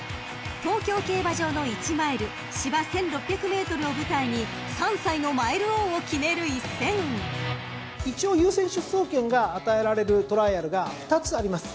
［東京競馬場の１マイル芝１，６００ｍを舞台に３歳のマイル王を決める一戦］一応優先出走権が与えられるトライアルが２つあります。